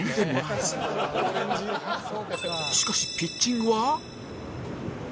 しかしピッチングは